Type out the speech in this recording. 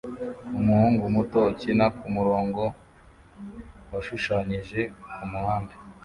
Umuhungu muto ukina kumurongo washushanyije kumuhanda